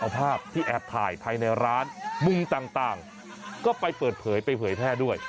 เอาภาพที่แอบถ่ายภายในร้านมุมต่างก็ไปเปิดเผยไปเผยแพร่ด้วย